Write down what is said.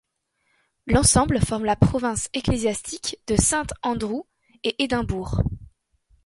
L'ensemble forme la province ecclésiastique de Saint Andrews et Édimbourg.